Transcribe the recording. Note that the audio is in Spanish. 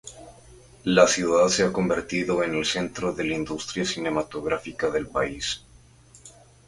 La ciudad se ha convertido en el centro de la industria cinematográfica del país.